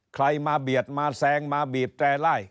ใครมาเบียดมาแซงมาบีบแตร่ไล่